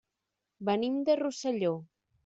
Venim de Rosselló.